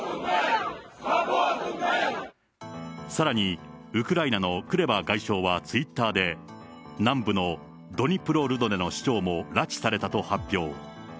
さらに、ウクライナのクレバ外相はツイッターで、南部のドニプロルドネの市長も拉致されたと発表。